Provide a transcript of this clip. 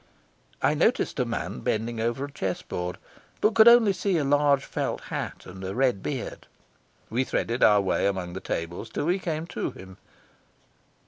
I noticed a man bending over a chess board, but could see only a large felt hat and a red beard. We threaded our way among the tables till we came to him.